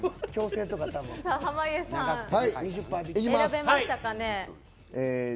濱家さん、選べましたかね。